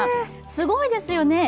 すごいですよね。